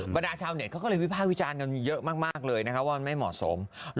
บรรดาชาวเน็ตก็เลยวิพาะวิจารณ์กับมันเยอะมากเลยนะฮะว่าเป็นไม่เหมาะสม